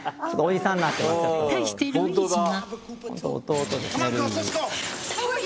対して、ルイージが。